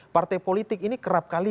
partai politik ini kerap kali